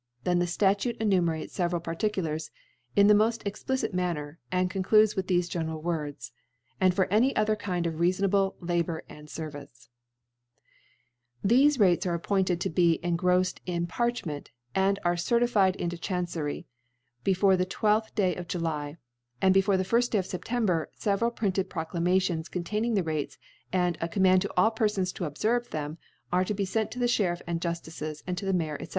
Then the Statute enumerates feveral Parjipulars, in themoft explicite Mari ner, and eoncludeswith thefe general Words : and for any other kind of reafonable La bour and Service' • Thefe Rates are appointed to be engrolT ed in Parchrnent, and certified into Chan* eery, before the 1 2th Day of July \ and before the firft Day of Septembery feveral printed Proclamations^ containing the Rates, and a Command to all Perfons to obferve them, are to be fent to the SheiiflF and Jufticcs, and to the Mayor, fcfc.